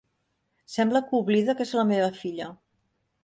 Sembla que oblida que és la meva filla.